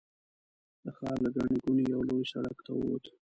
د ښار له ګڼې ګوڼې یوه لوی سړک ته ووت.